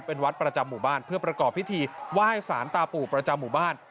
เป็นวัดประจำหมู่บ้านเพื่อประกอบพิธีไหว้สารตาปู่ประจำหมู่บ้าน